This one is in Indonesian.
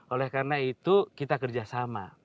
oleh karena itu kita kerja sama